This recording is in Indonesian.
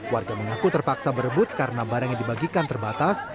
warga mengaku terpaksa berebut karena barang yang dibagikan terbatas